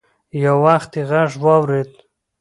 يو وخت يې غږ واورېد.